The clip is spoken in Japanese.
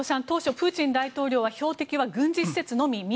当初、プーチン大統領は標的は軍事施設のみ。